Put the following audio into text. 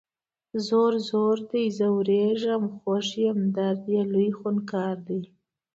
ځور، ځور دی ځوریږم خوږ یم درد یې لوی خونکار دی